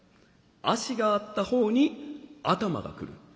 足があった方に頭が来る。